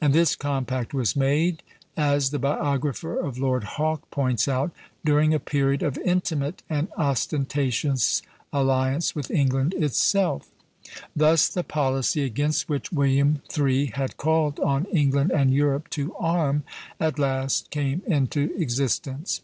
"And this compact was made," as the biographer of Lord Hawke points out, "during a period of intimate and ostentatious alliance with England itself." "Thus the policy against which William III. had called on England and Europe to arm, at last came into existence."